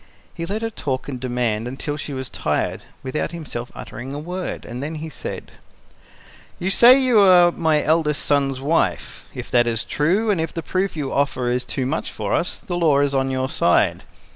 He let her talk and demand until she was tired, without himself uttering a word, and then he said: "You say you are my eldest son's wife. If that is true, and if the proof you offer is too much for us, the law is on your side.